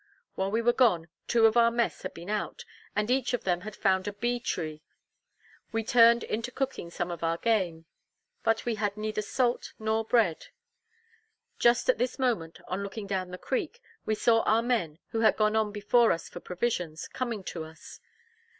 While we were gone, two of our mess had been out, and each of them had found a bee tree. We turned into cooking some of our game, but we had neither salt nor bread. Just at this moment, on looking down the creek, we saw our men, who had gone on before us for provisions, coming to us.